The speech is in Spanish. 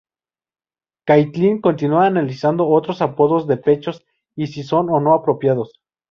Caitlin continúa analizando otros apodos de pechos y si son o no apropiados.